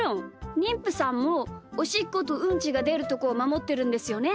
にんぷさんもおしっことうんちがでるところをまもってるんですよね？